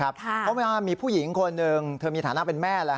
เพราะว่ามีผู้หญิงคนนึงเธอมีฐานาคเป็นแม่